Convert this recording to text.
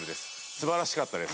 素晴らしかったです。